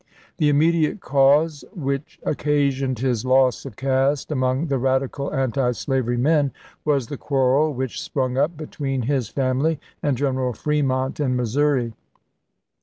The immediate cause which occasioned his loss of caste among the radical antislavery men was the quarrel which sprung up between his family and General Fremont in Missouri.